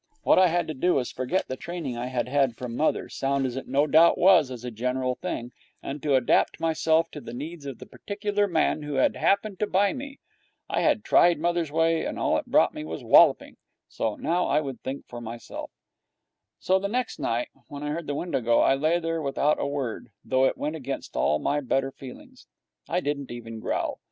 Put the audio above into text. What I had to do was to forget the training I had had from mother, sound as it no doubt was as a general thing, and to adapt myself to the needs of the particular man who had happened to buy me. I had tried mother's way, and all it had brought me was walloping, so now I would think for myself. So next night, when I heard the window go, I lay there without a word, though it went against all my better feelings. I didn't even growl.